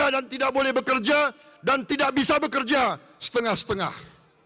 tidak boleh bekerja dan tidak bisa bekerja setengah setengah